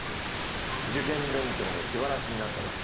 受験勉強の気晴らしになっただろ？